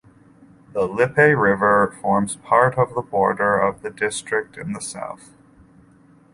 The Lippe River forms part of the border of the district in the south.